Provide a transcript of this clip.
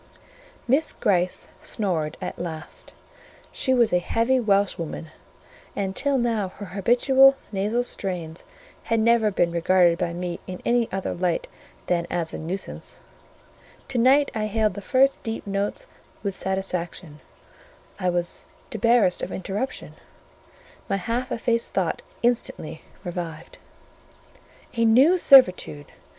Miss Gryce snored at last; she was a heavy Welshwoman, and till now her habitual nasal strains had never been regarded by me in any other light than as a nuisance; to night I hailed the first deep notes with satisfaction; I was debarrassed of interruption; my half effaced thought instantly revived. "A new servitude!